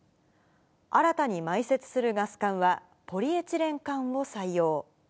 新たに埋設するガス管は、ポリエチレン管を採用。